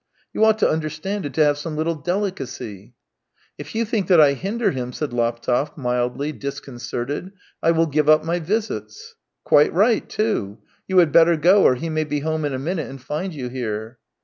You ought to understand and to have some little delicacy !"" If you think that I hinder him," said Laptev, mildly, disconcerted, " I will give up my visits." " Quite right, too. You had better go, or he may be home in a minute and find you here."